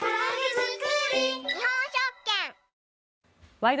「ワイド！